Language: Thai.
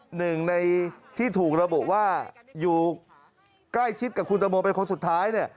หนึ่งในที่ถูกระบุว่าอยู่ใกล้ชิดกับคุณตังโมเป็นคนสุดท้ายเนี่ย